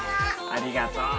ありがとう。